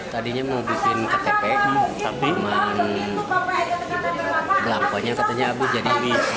tadinya mau bikin ktp tapi belakangnya katanya abu jadi bikin suket